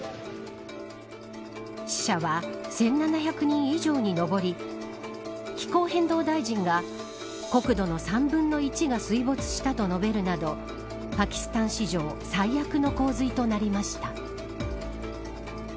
死者は１７００人以上に上り気候変動大臣が国土の３分の１が水没したと述べるなどパキスタン史上最悪の洪水となりました。